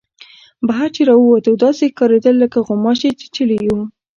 بهر چې را ووتو داسې ښکارېدل لکه غوماشې چیچلي یو.